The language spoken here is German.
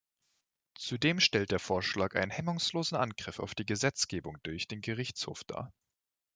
Zudem stellt der Vorschlag einen hemmungslosen Angriff auf die Gesetzgebung durch den Gerichtshof dar.